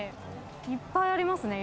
いっぱいありますね